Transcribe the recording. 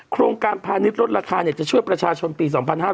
โครงการพาณิชย์ลดราคาจะช่วยประชาชนปี๒๕๕๙